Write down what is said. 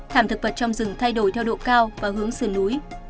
thảm thực vật trong rừng thay đổi theo độ cao và hướng sườn núi